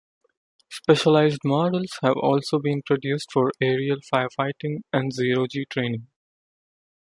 Specialized models have also been produced for aerial firefighting and zero-G training.